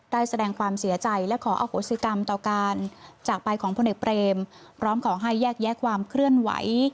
ได้แสดงความเสียใจและขออโหสิกรรมต่อการจากไปของพลเอกเปรมพร้อมขอให้แยกแยะความเคลื่อนไหว